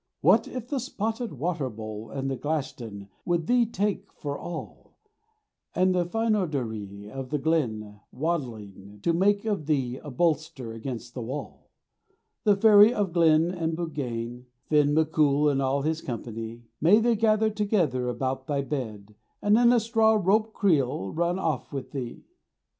What if the spotted water bull, And the Glashtan would thee take, for all And the Fynoderee of the glen, waddling, To make of thee a bolster against the wall. The Fairy of the Glen and the Buggane, Finn MacCool and all his company; May they gather together about thy bed, And in a straw rope creel run off with thee.